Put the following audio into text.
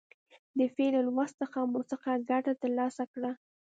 د فعل له لوست څخه مو څه ګټه تر لاسه کړه.